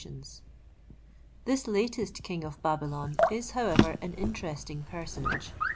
THIS latest king of Babylon is, however, an interesting personage.